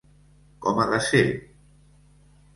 Com ha de ser?